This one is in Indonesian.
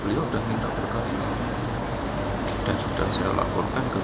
jawabannya umurnya tidak cukup